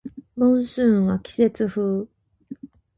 モンスーンは季節風